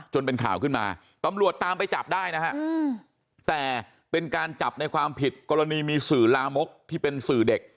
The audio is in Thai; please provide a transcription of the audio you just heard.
เป็นข่าวขึ้นมาตำรวจตามไปจับได้นะฮะแต่เป็นการจับในความผิดกรณีมีสื่อลามกที่เป็นสื่อเด็ก